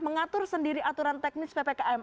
mengatur sendiri aturan teknis ppkm